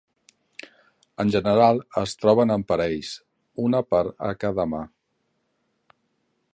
En general es troben en parells, una per a cada mà.